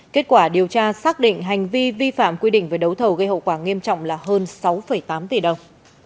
kết quả điều tra xác định hành vi vi phạm quy định về đấu thầu gây hậu quả nghiêm trọng là hơn sáu tám tỷ đồng